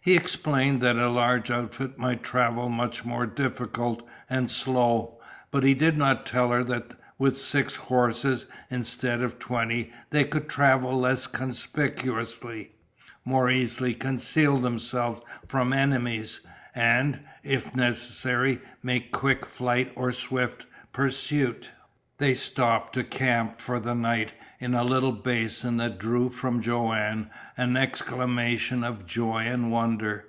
He explained that a large outfit made travel much more difficult and slow, but he did not tell her that with six horses instead of twenty they could travel less conspicuously, more easily conceal themselves from enemies, and, if necessary, make quick flight or swift pursuit. They stopped to camp for the night in a little basin that drew from Joanne an exclamation of joy and wonder.